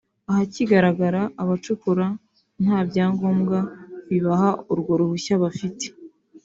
ahakigaragara abacukura nta byangombwa bibaha urwo ruhushya bafite